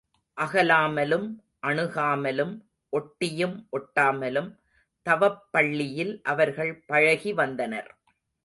அகலாமலும் அணுகாமலும் ஒட்டியும் ஒட்டாமலும் தவப் பள்ளியில் அவர்கள் பழகி வந்தனர்.